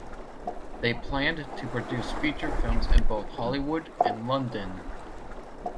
They planned to produce feature films in both Hollywood and London.